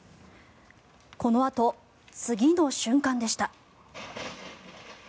このあと次の瞬間でした。